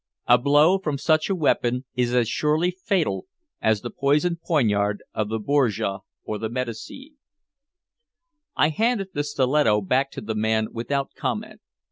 A blow from such a weapon is as surely fatal as the poisoned poignard of the Borgia or the Medici. I handed the stiletto back to the man without comment.